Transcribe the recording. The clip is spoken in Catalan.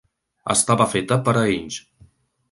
Estava feta per a ells.